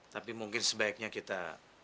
tapi mungkin sebaiknya kita